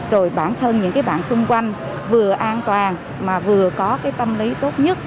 rồi bản thân những bạn xung quanh vừa an toàn mà vừa có tâm lý tốt nhất